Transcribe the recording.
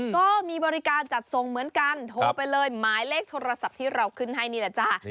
ก็มีบริการจัดส่งเหมือนกันโทรไปเลยหมายเลขโทรศัพท์ที่เราขึ้นให้นี่แหละจ้า